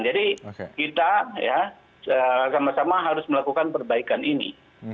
jadi kita sama sama harus melakukan perbaikan ini